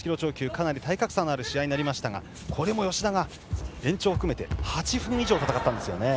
かなり体格差のある試合でしたがこれも芳田が延長含めて８分以上戦ったんですね。